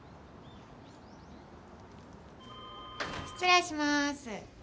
失礼しまーす。